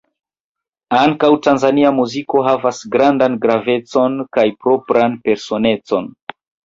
Ankaŭ Tanzania muziko havas grandan gravecon kaj propran personecon.